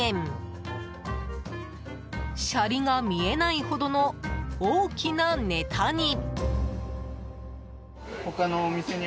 シャリが見えないほどの大きなネタに。